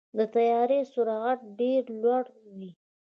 د طیارې سرعت ډېر لوړ وي.